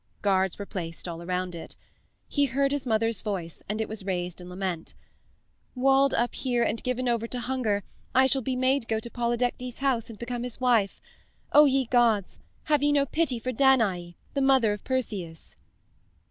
Guards were placed all around it. He heard his mother's voice and it was raised in lament: "Walled up here and given over to hunger I shall be made go to Polydectes's house and become his wife. O ye gods, have ye no pity for Danae, the mother of Perseus?"